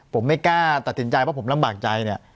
ผมไม่กล้าติดติดติดแต่ตัดสินใจเพราะผมลำบากใจนะ